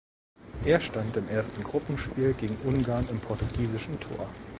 Er stand im ersten Gruppenspiel gegen Ungarn im portugiesischen Tor.